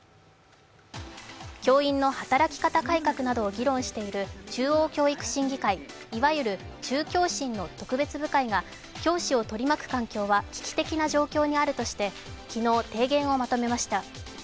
教員の働き方改革などを議論している中央教育審議会いわゆる中教審の特別部会が教師を取り巻く環境は危機的な状況にあるとして昨日、提言をまとめました。